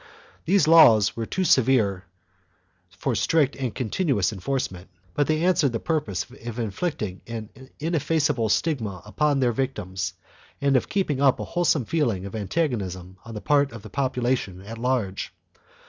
These laws were too severe for strict and continuous enforcement, but they answered the purpose of inflicting an ineffaceable stigma upon their victims and of keeping up a wholesome feeling of antag • onism on the part of the population at large.